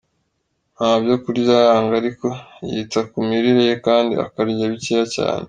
Nta byo kurya yanga ariko yita ku mirire ye kandi akarya bikeya cyane.